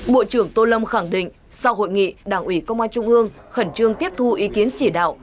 bộ trưởng tô lâm khẳng định sau hội nghị đảng ủy công an trung ương khẩn trương tiếp thu ý kiến chỉ đạo